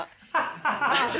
ハハハハ！